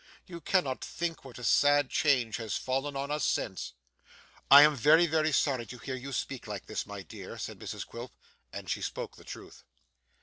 You cannot think what a sad change has fallen on us since.' 'I am very, very sorry, to hear you speak like this, my dear!' said Mrs Quilp. And she spoke the truth.